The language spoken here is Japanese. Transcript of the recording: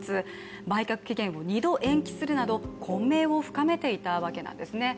売却期限を２度延期するなど混迷を深めていたわけなんですね。